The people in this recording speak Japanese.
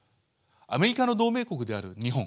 アメリカの同盟国である日本